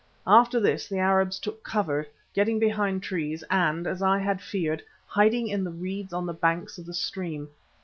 After this the Arabs took cover, getting behind trees and, as I had feared, hiding in the reeds on the banks of the stream.